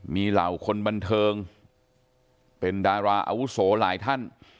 มีเหล่าคนบันเทิงเป็นดาราอาวุโสหลายท่าน